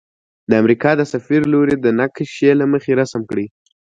د امریکا د سفر لوري د نقشي له مخې رسم کړئ.